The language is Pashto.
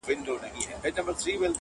د کابل تصوېر مي ورکی په تحفه کي ,